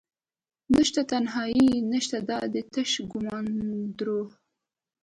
نشته تنهایې نشته دادي تش ګمان دروح